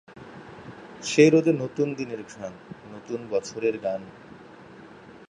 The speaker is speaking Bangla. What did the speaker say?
সে রোদে নতুন দিনের ঘ্রাণ, নতুন বছরের গান।